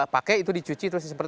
pakai itu dicuci terus